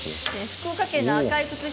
福岡県の方。